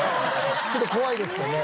ちょっと怖いですよね。